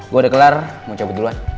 gue udah kelar mau coba duluan